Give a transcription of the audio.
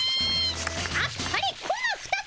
あっぱれコマ２つ。